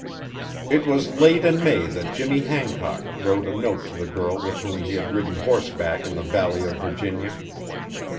It was late in May that Jimmy Hancock wrote a note to the girl with whom he had ridden horseback in the Valley of Virginia.